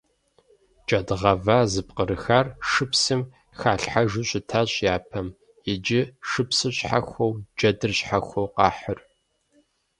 Джэд гъэва зэпкърыхар шыпсым халъхьэжу щытащ япэм, иджы шыпсыр щхьэхуэу джэдыр щхьэхуэу къахьыр.